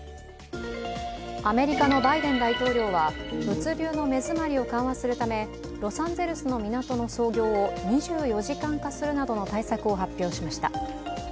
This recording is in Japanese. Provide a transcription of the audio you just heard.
アメリカのバイデン大統領は物流の目詰まりを緩和するためロサンゼルスの港の操業を２４時間化するなどの対策を発表しました。